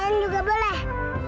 lain juga boleh